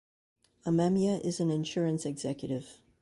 Amemiya is an insurance executive.